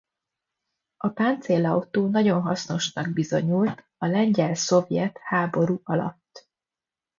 A páncélautó nagyon hasznosnak bizonyult a lengyel–szovjet háború alatt.